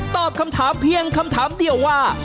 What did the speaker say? ตอบคำถามเพียงคำถามเดียวว่า